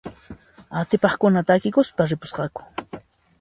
Atipaqkuna takikuspa ripusqaku.